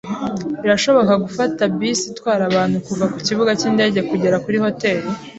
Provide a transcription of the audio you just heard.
Birashoboka gufata bisi itwara abantu kuva kukibuga cyindege kugera kuri hoteri?